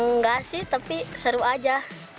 enggak sih tapi seru aja